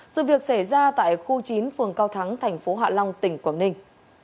dự việc xảy ra tại khu chín phường cao thắng tp hạ long tỉnh quảng ninh